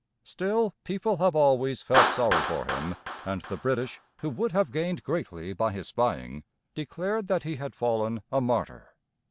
Still, people have always felt sorry for him, and the British, who would have gained greatly by his spying, declared that he had fallen a martyr.